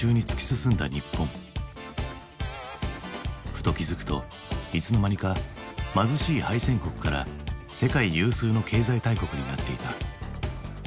ふと気付くといつの間にか貧しい敗戦国から世界有数の経済大国になっていた。